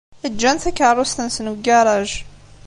Ǧǧant takeṛṛust-nsent deg ugaṛaj.